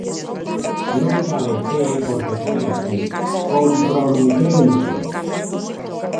Non cabecee porque foi así, ¡comprometeuse!